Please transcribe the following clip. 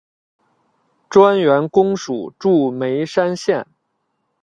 专员公署驻眉山县。